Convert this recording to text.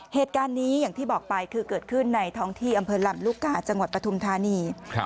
เหตุการณ์นี้อย่างที่บอกไปคือเกิดขึ้นในท้องที่อำเภอลำลูกกาจังหวัดปฐุมธานี